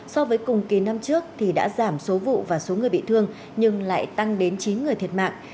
so với cùng kỳ năm trước thì đã giảm số vụ và số người bị thương nhưng lại tăng đến chín người thiệt mạng